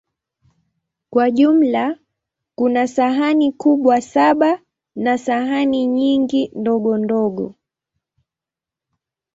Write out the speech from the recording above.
Kwa jumla, kuna sahani kubwa saba na sahani nyingi ndogondogo.